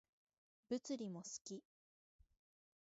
物理も好き